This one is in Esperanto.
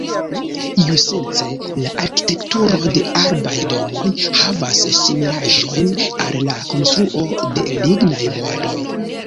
Iusence la arkitekturo de arbaj domoj havas similaĵojn al la konstruo de lignaj boatoj.